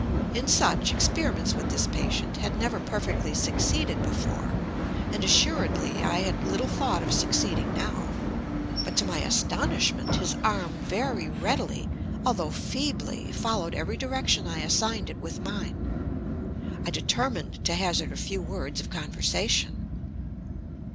In such experiments with this patient, I had never perfectly succeeded before, and assuredly I had little thought of succeeding now; but to my astonishment, his arm very readily, although feebly, followed every direction I assigned it with mine. I determined to hazard a few words of conversation.